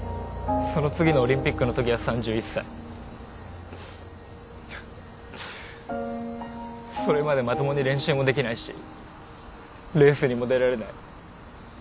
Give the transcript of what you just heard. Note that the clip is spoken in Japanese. その次のオリンピックの時は３１歳それまでまともに練習もできないしレースにも出られない